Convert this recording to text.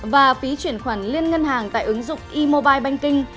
và phí chuyển khoản liên ngân hàng tại ứng dụng imobile banking